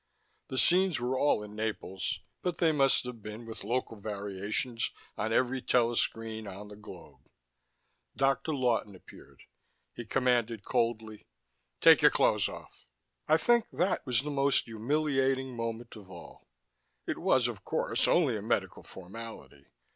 The scenes were all in Naples; but they must have been, with local variations, on every telescreen on the globe. Dr. Lawton appeared. He commanded coldly: "Take your clothes off." I think that was the most humiliating moment of all. It was, of course, only a medical formality.